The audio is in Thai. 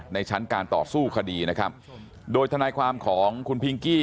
ในชั้นการต่อสู้คดีนะครับโดยทนายความของคุณพิงกี้